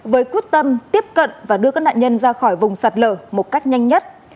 với quyết tâm tiếp cận và đưa các nạn nhân ra khỏi vùng sạt lở một cách nhanh nhất